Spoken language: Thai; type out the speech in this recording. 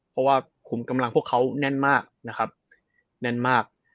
เพราะว่าขุมกำลังพวกเขาแน่นมากนะครับแน่นมาก